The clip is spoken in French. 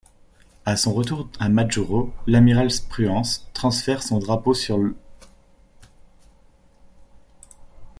À son retour à Majuro, l'amiral Spruance transfère son drapeau sur l’.